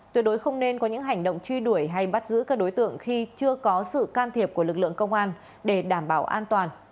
tuyệt đối không nên có những hành động truy đuổi hay bắt giữ các đối tượng khi chưa có sự can thiệp của lực lượng công an để đảm bảo an toàn